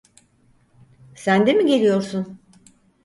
Sen de mi geliyorsun?